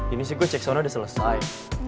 ini sih gue cek sono udah selesai